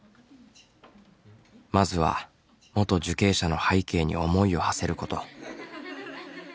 まずは元受刑者の背景に思いをはせること。